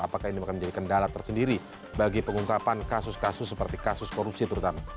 apakah ini akan menjadi kendala tersendiri bagi pengungkapan kasus kasus seperti kasus korupsi terutama